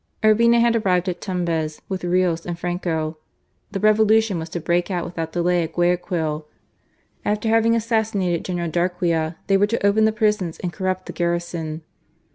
Urbina had arrived at Tumbez with Rios and Franco: the Revolution was to break out without delay at Guayaquil ; after having assas sinated General Darquea they were to open the prisons and corrupt the garrison.